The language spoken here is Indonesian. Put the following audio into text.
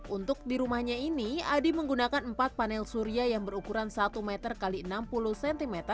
untuk di rumahnya ini adi menggunakan empat panel surya yang berukuran satu meter x enam puluh cm